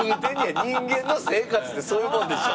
人間の生活ってそういうもんでしょ。